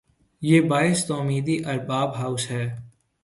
یہ باعث تومیدی ارباب ہوس ھے